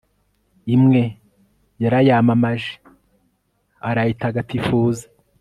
imwe yarayamamaje, arayitagatifuza